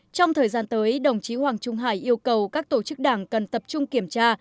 trong thời gian tới đồng chí hoàng trung hải yêu cầu các tổ chức đảng cần tập trung kiểm tra